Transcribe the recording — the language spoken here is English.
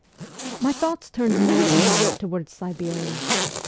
My thoughts turned more and more toward Siberia.